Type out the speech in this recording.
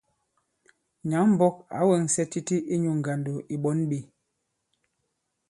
Nyǎŋ-mbɔk ǎ wɛŋsɛ titi inyū ŋgàndò ì ɓɔ̌n ɓē.